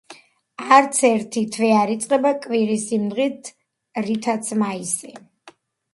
არც ერთი თვე არ იწყება კვირის იმ დღით, რითაც მაისი.